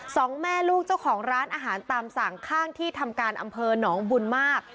สองแม่ลูกเจ้าของร้านอาหารตามสั่งข้างที่ทำการอำเภอหนองบุญมาก